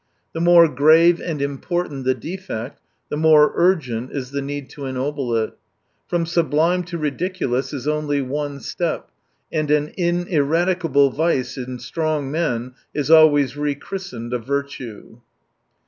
The more grave and impfortant the defect, the more urgent is the need to ennoble it. From sublime to ridiculous is only one step, and an ineradicable vice in strong men is always rechristened a virtue.